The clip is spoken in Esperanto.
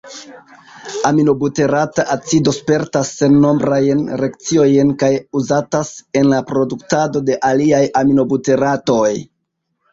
Aminobuterata acido spertas sennombrajn reakciojn kaj uzatas en la produktado de aliaj aminobuteratoj.